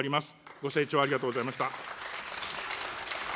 ご清聴ありがとうございました。